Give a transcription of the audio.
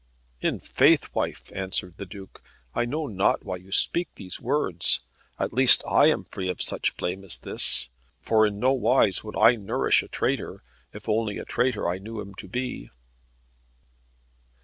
"In faith, wife," answered the Duke, "I know not why you speak these words. At least I am free of such blame as this, for in nowise would I nourish a traitor, if only a traitor I knew him to be."